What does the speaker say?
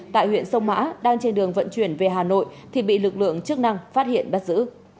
tại huyện sông mã đang trên đường vận chuyển về hà nội thì bị lực lượng chức năng phát hiện bắt giữ